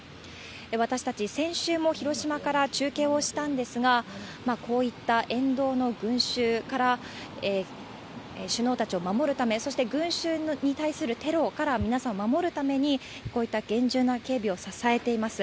私たち、先週も広島から中継をしたんですが、こういった沿道の群衆から、首脳たちを守るため、そして群衆に対するテロから皆さんを守るために、こういった厳重な警備を支えています。